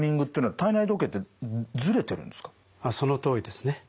そのとおりですね。